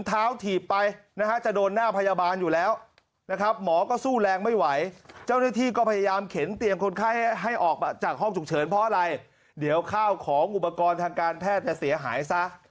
ถีบไปนะฮะจะโดนหน้าพยาบาลอยู่แล้วนะครับหมอก็สู้แรงไม่ไหวเจ้าหน้าที่ก็พยายามเข็นเตียงคนไข้ให้ออกมาจากห้องฉุกเฉินเพราะอะไรเดี๋ยวข้าวของอุปกรณ์ทางการแพทย์จะเสียหายซะ